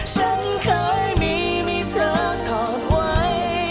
ฉันเคยมีมีเธอกอดไว้